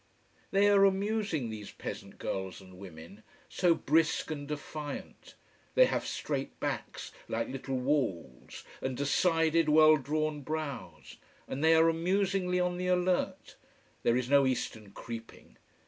They are amusing, these peasant girls and women: so brisk and defiant. They have straight backs, like little walls, and decided, well drawn brows. And they are amusingly on the alert. There is no eastern creeping.